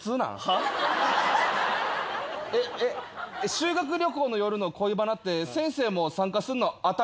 修学旅行の夜の恋バナって先生も参加するの当たり前？